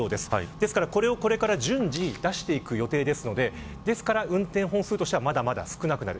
ですから、これをこれから順次出していく予定なのでですから、運転本数としてはまだまだ少なくなる。